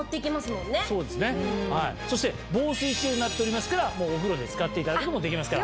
仕様になっておりますからお風呂で使っていただくのもできますから。